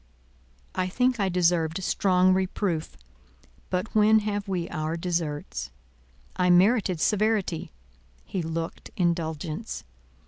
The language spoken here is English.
I think I deserved strong reproof; but when have we our deserts? I merited severity; he looked indulgence.